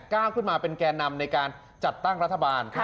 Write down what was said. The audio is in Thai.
ก้าวขึ้นมาเป็นแก่นำในการจัดตั้งรัฐบาล